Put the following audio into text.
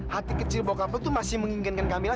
hati kecil bokap lu tuh masih menginginkan kamila